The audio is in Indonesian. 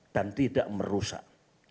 dan tidak merusak